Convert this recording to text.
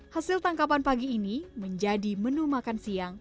hasil tangkapan pagi ini menjadi menu makan siang